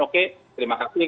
oke terima kasih